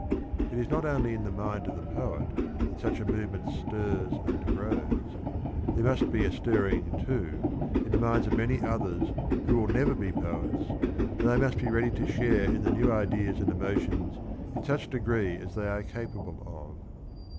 It is not only in the mind of the poet that such a movement stirs and grows; there must be a stirring, too, in the minds of many others who will never be poets, and they must be ready to share in the new ideas and emotions in such degree as they are capable of.